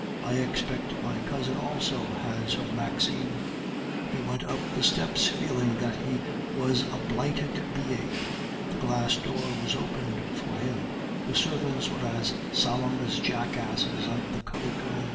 I expect my cousin also has her Maxime." He went up the steps, feeling that he was a blighted being. The glass door was opened for him; the servants were as solemn as jackasses under the curry comb.